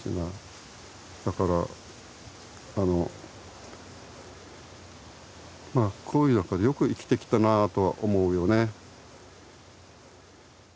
だからまあこういう中でよく生きてきたなあとは思うよね。